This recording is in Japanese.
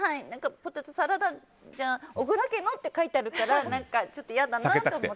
ポテトサラダじゃ小倉家のって書いてあるから何か、ちょっと嫌だなと思って。